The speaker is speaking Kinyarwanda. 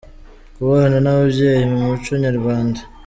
Ku bana n’ababyeyi mu muco Nyarwanda.